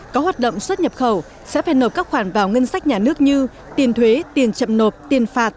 có hoạt động xuất nhập khẩu sẽ phải nộp các khoản vào ngân sách nhà nước như tiền thuế tiền chậm nộp tiền phạt